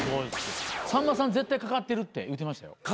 さんまさん絶対かかってるって言ってましたよ。